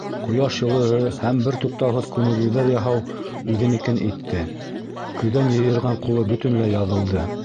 Ҡояш йылыһы һәм бер туҡтауһыҙ күнегеүҙәр яһау үҙенекен итте: көҙән йыйырған ҡулы бөтөнләй яҙылды.